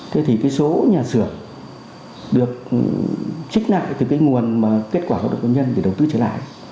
thế thì cái số nhà sửa được trích lại từ cái nguồn mà kết quả lao động hợp nhân để đầu tư trở lại